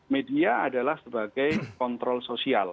media adalah sebagai kontrol sosial